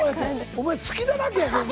お前隙だらけやけどな。